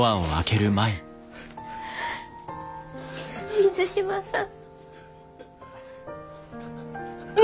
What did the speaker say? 水島さん。